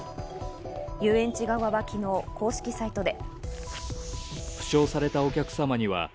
遊園地側は昨日、公式サイトで。